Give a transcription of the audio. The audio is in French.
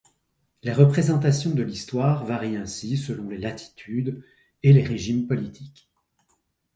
Les représentations de l'histoire varient ainsi selon les latitudes et les régimes politiques.